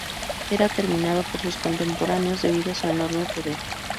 Era temido por sus contemporáneos debido a su enorme poder.